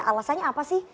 alasannya apa sih